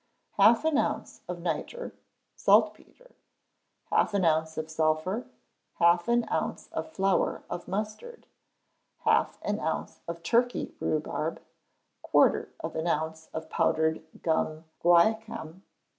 Half an ounce of nitre (saltpetre), half an ounce of sulphur, half an ounce of flour of mustard, half an ounce of Turkey rhubarb, quarter of an ounce of powdered gum guaiacum.